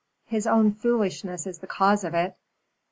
"His own foolishness is the cause of it."